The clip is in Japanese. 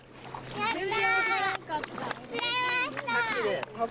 やった。